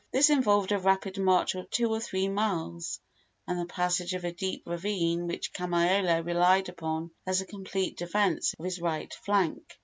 This involved a rapid march of two or three miles, and the passage of a deep ravine which Kamaiole relied upon as a complete defence of his right flank.